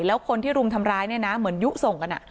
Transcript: แล้วคนที่รุมทำร้ายเนี่ยนะเหมือนยุส่งกัน